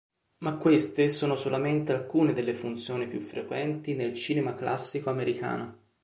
Ma queste sono solamente alcune delle funzioni più frequenti nel cinema classico americano.